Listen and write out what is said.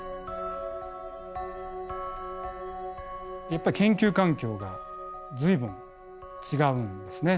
やっぱ研究環境が随分違うんですね。